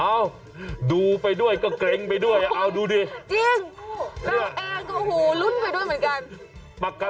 เอ้าดูไปด้วยก็เกรงไปด้วยเอาดูดิจริงดังเองหรือเขารุ้นไปด้วยเหมือนกัน